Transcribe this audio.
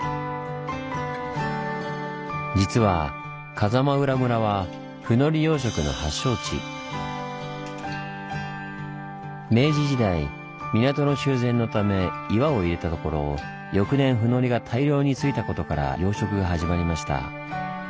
実は風間浦村は明治時代港の修繕のため岩を入れたところ翌年ふのりが大量についたことから養殖が始まりました。